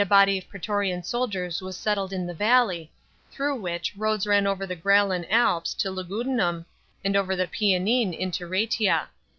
body of praetorian soldiers was settled in the valley, through wMc'% roads ran over the Graian Alps to Lugudunum, and over i\\& Pennine 'nto Raetia.